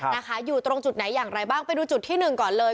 นะคะอยู่ตรงจุดไหนอย่างไรบ้างไปดูจุดที่หนึ่งก่อนเลย